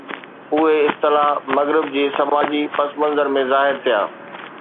اهي اصطلاح مغرب جي سماجي پس منظر ۾ ظاهر ٿيا.